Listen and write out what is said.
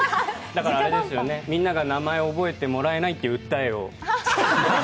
だからみんなが名前を覚えてもらえないという訴えを。